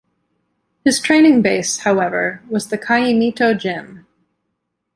His training base, however, was the Caimito Gym.